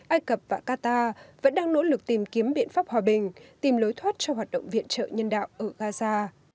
ai cập và qatar vẫn đang nỗ lực tìm kiếm biện pháp hòa bình tìm lối thoát cho hoạt động viện trợ nhân đạo ở gaza